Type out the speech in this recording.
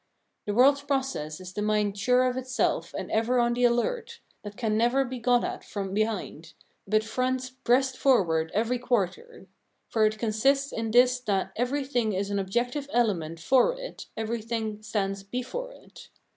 The world's process is the mind sure of itself and ever on the alert, that can never be got at from behind, but fronts breast forward every quarter; for it consists in this that everything is an objective element for it, everything stands before it.